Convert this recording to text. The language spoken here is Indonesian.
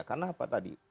karena apa tadi